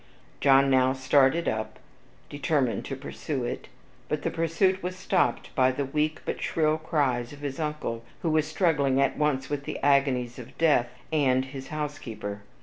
John now started up, determined to pursue it; but the pursuit was stopped by the weak but shrill cries of his uncle, who was struggling at once with the agonies of death and his housekeeper.